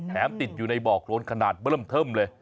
ติดอยู่ในบ่อโครนขนาดเริ่มเทิมเลย